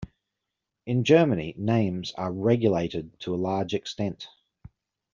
In Germany, names are regulated to a large extent.